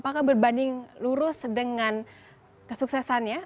apakah berbanding lurus dengan kesuksesannya